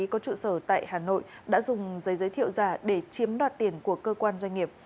có trụ sở tại hà nội đã dùng giấy giới thiệu giả để chiếm đoạt tiền của cơ quan doanh nghiệp